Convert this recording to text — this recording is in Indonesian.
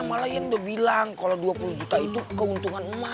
malah iyan udah bilang kalo dua puluh juta itu keuntungan emak